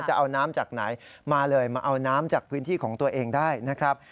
จะเอาน้ำจากไหนมาเลยมาเอาน้ำจากพื้นที่ของตัวเองได้นะครับ